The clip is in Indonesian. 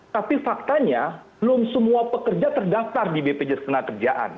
tapi faktanya belum semua pekerja terdaftar di bpjs kena kerjaan